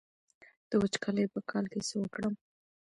د وچکالۍ په کال کې څه وکړم؟